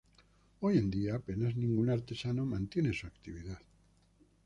Hoy en día apenas ningún artesano mantiene su actividad.